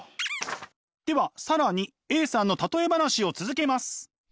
では更にＡさんの例え話を続けます！